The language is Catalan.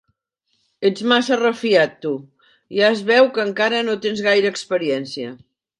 Ets massa refiat, tu: ja es veu que encara no tens gaire experiència.